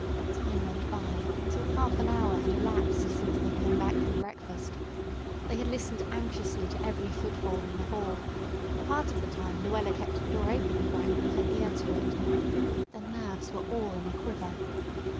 Time went by, until half an hour had elapsed since they came back from breakfast. They had listened anxiously to every footfall in the hall, and part of the time Luella kept the door open a crack with her ear to it. Their nerves were all in a quiver.